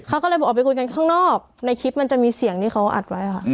เขาก็เลยบอกออกไปคุยกันข้างนอกในคลิปมันจะมีเสียงที่เขาอัดไว้ค่ะ